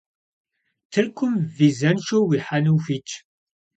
Тыркум визэншэу уихьэну ухуитщ.